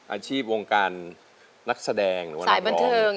อาชีพวงการนักแสดงหรือว่าน้อง